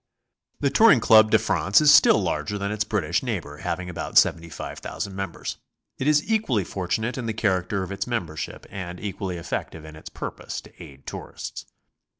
The Touring Club de France is still larger than its British neighbor, having about 75,000 members. It is equally fortunate in the character of its membership, and equally effective in its purpose to aid tourists.